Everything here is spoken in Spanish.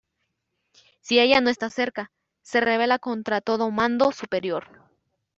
Si ella no está cerca, se rebela contra todo mando superior.